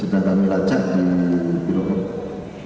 sudah kami lacak di hukum